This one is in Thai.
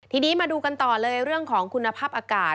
ทีนี้มาดูกันต่อเลยเรื่องของคุณภาพอากาศ